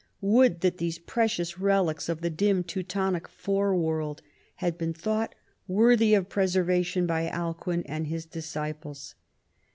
"Woidd that these precious relics of the dim Teutonic fore world had been thought worthy of preservation by Alcuin and his disciples